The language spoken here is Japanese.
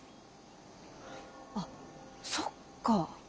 あそっか。